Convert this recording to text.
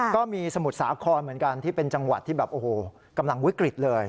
ก็มีสมุทรสาครเหมือนกันที่เป็นจังหวัดที่แบบโอ้โหกำลังวิกฤตเลย